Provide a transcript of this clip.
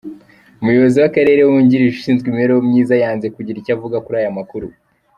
Umuyobozi w’akarere wungirije ushinzwe imibereho myiza yanze kugira icyo avuga kuri aya makuru.